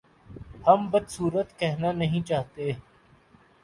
ہم بد صورت کہنا نہیں چاہتے